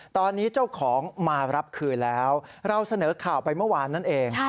ตอนนี้เจ้าของมารับคืนแล้วเราเสนอข่าวไปเมื่อวานนั่นเอง